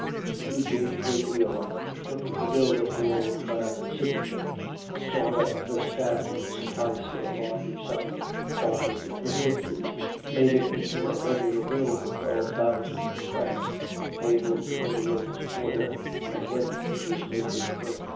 Eugene, greatly alarmed, took the bill that bore Vautrin's signature, saw that the stamp would suffice for a larger sum, altered the figures, made it into a regular bill for twelve thousand francs, payable to Goriot's order, and went to his neighbor's room.